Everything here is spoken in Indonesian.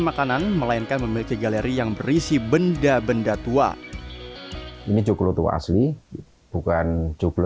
makanan melainkan memiliki galeri yang berisi benda benda tua ini joglotua asli bukan joklo